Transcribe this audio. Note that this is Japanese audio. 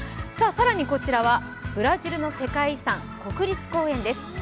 さらにこちらはブラジルの世界遺産、国立公園です。